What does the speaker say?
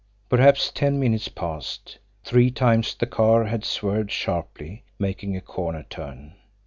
Perhaps ten minutes passed. Three times the car had swerved sharply, making a corner turn.